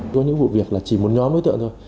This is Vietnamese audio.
có những vụ việc là chỉ một nhóm đối tượng thôi